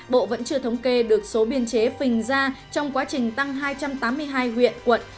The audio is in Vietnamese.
bộ vẫn chưa thống kê được số biên chế phình ra trong quá trình tăng hai trăm tám mươi hai huyện quận